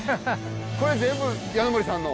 これ全部簗守さんの。